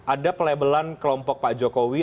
ada pelabelan kelompok pak jokowi